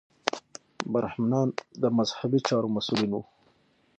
برهمنان د مذهبي چارو مسوولین وو.